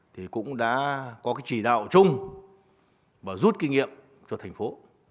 thì cũng đã có cái chỉ đạo chung và rút kinh nghiệm cho thành phố